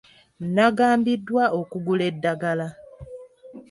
Nnagambiddwa okugula eddagala.